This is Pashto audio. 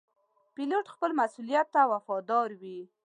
پیلوټ خپل مسؤولیت ته وفادار وي.